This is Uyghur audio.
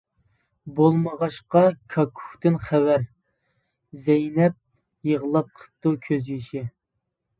بولمىغاچقا كاككۇكتىن خەۋەر، زەينەپ يىغلاپ قىپتۇ كۆز يېشى.